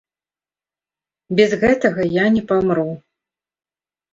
Без гэтага я не памру.